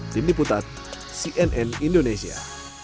dini putat cnn indonesia